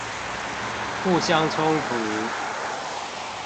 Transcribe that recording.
互相衝突